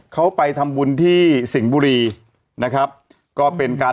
เขาไปทำบุญที่สิงห์บุรีนะครับก็เป็นการ